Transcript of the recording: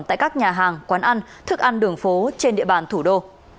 tại các nhà hàng quán ăn thức ăn đường phố trên địa bàn thủ đô